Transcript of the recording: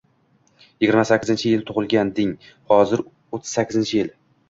Yigirma sakkizinchi yili tugʻilganding. Hozir oʻttiz sakkizinchi yil.